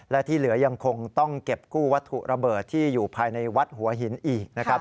และที่เหลือยังคงต้องเก็บกู้วัตถุระเบิดที่อยู่ภายในวัดหัวหินอีกนะครับ